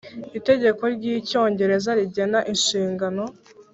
itegeko ry Icyongereza Rigena inshingano